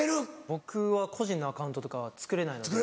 僕は個人のアカウントとかは作れないので。